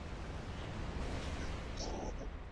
هغه سوسیالیزم چي وده کوي ګټور دی.